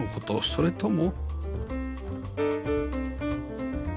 それとも